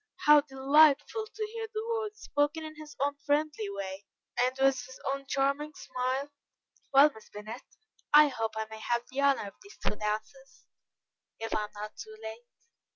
How delightful to hear the words, spoken in his own friendly way, and with his own charming smile: "Well, Miss Bennet, I hope I may have the honour of these two dances, if I am not too late?"